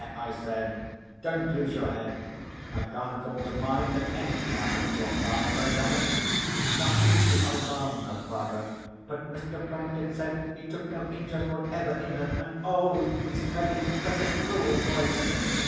I said, "don't lose your head. I can't call to mind that anything happened to alarm Rosanna." "Nothing to alarm her, father. But Mr. Franklin said he took no interest whatever in her—and, oh, he said it in such a cruel voice!"